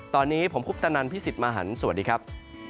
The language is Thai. ตอนนี้ผมคุปตะนันพี่สิทธิ์มหันฯสวัสดีครับ